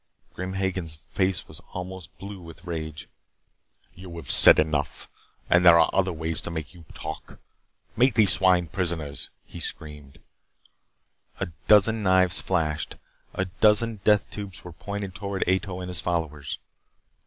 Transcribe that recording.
Grim Hagen's face was almost blue with rage. "You have said enough. And there are other ways to make you talk. Make these swine prisoners," he screamed. A dozen knives flashed. A dozen death tubes were pointed toward Ato and his followers.